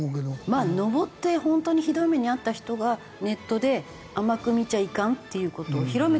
まあ登って本当にひどい目に遭った人がネットで甘く見ちゃいかんっていう事を広めてくれれば。